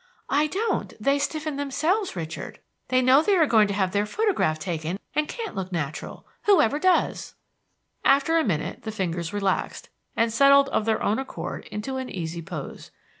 "I don't; they stiffen themselves, Richard. They know they are going to have their photograph taken, and can't look natural. Who ever does?" After a minute the fingers relaxed, and settled of their own accord into an easy pose.